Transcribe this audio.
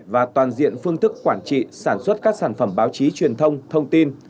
và toàn diện phương thức quản trị sản xuất các sản phẩm báo chí truyền thông thông tin